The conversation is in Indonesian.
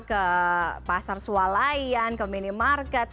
ke pasar sualayan ke minimarket